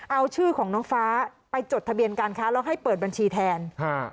เอาชื่อของน้องฟ้าไปจดทะเบียนการค้าแล้วให้เปิดบัญชีแทนฮะ